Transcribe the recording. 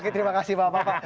terima kasih pak bapak